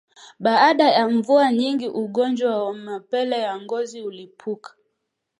Baada ya mvua nyingi ugonjwa wa mapele ya ngozi hulipuka